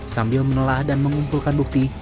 sambil menelah dan mengumpulkan bukti